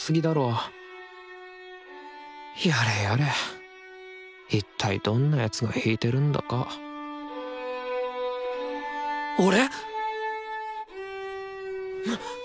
やれやれいったいどんな奴が弾いてるんだか俺！？